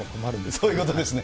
そういうことですね。